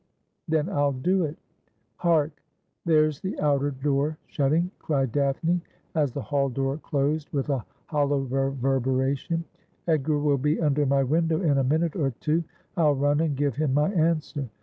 ' Then I'll do it. Hark ! there's the outer door shutting,' cried Daphne, as the hall door closed with a hollow reverbera tion. ' Edgar will be under my window in a minute or two. I'll run and give him my answer.'